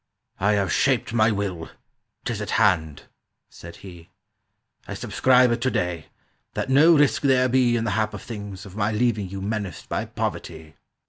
... "I have shaped my will; 'tis at hand," said he; "I subscribe it to day, that no risk there be In the hap of things Of my leaving you menaced by poverty."